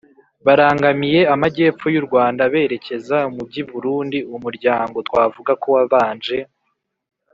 barangamiye amajy’epfo y’u rwanda berekeza mu by’i burundi umuryango twavuga ko wabanje